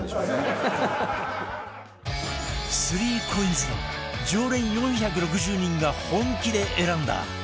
３ＣＯＩＮＳ の常連４６０人が本気で選んだ